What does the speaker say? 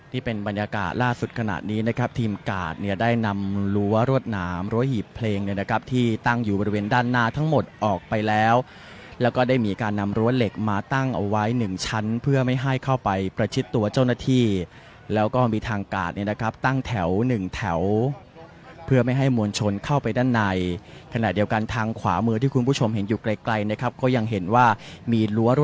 นี่เป็นบรรยากาศล่าสุดขนาดนี้นะครับทีมกาศเนี่ยได้นำรั้วรวดน้ำรั้วหีบเพลงเนี่ยนะครับที่ตั้งอยู่บริเวณด้านหน้าทั้งหมดออกไปแล้วแล้วก็ได้มีการนำรั้วเหล็กมาตั้งเอาไว้หนึ่งชั้นเพื่อไม่ให้เข้าไปประชิดตัวเจ้าหน้าที่แล้วก็มีทางกาศเนี่ยนะครับตั้งแถวหนึ่งแถวเพื่อไม่ให้มวลชนเข้าไปด้านใน